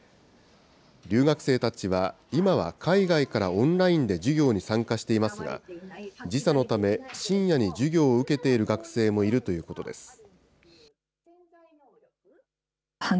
留学生たちは今は海外からオンラインで授業に参加していますが、時差のため、深夜に授業を受けている学生もいるということです。